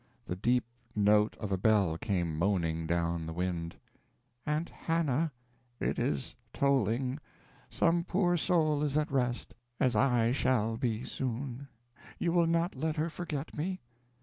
The deep note of a bell came moaning down the wind. "Aunt Hannah, it is tolling. Some poor soul is at rest. As I shall be soon. You will not let her forget me?"